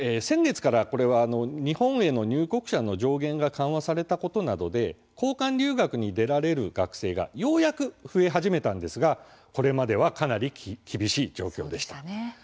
先月からこれは日本への入国者の上限が緩和されたことなどで交換留学に出られる学生がようやく増え始めたんですがこれまではかなり難しい状況でした。